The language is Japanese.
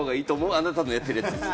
あなたがやってることです。